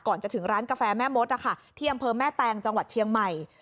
ก่อนจะถึงร้านกาแฟแม่มดนะคะที่อำเภอแม่แตงจังหวัดเชียงใหม่